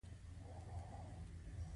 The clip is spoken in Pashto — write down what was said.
هغه د روښانه غزل پر مهال د مینې خبرې وکړې.